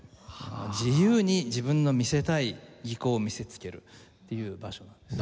自由に自分の見せたい技巧を見せつけるっていう場所なんですよ。